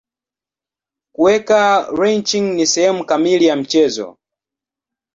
Kuweka lynching ni sehemu kamili ya mchezo.